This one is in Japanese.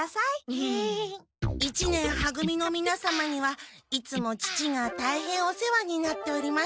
一年は組のみなさまにはいつも父がたいへんお世話になっております。